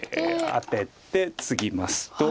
アテてツギますと。